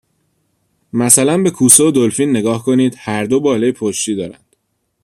مثلا به کوسه و دلفین نگاه کنید، هر دو باله پشتی دارند.